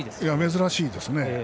珍しいですね。